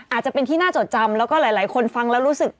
อาจจะเป็นที่น่าจดจำแล้วก็หลายคนฟังแล้วรู้สึก